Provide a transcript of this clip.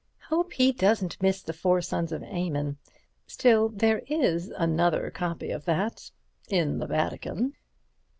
Hope he doesn't miss the 'Four Sons of Aymon.' Still, there is another copy of that—in the Vatican.